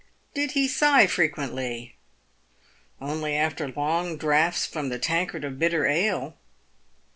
Did he sigh frequently ? Only after long draughts from the tankard of bitter ale.